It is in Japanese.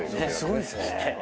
すごいっすね。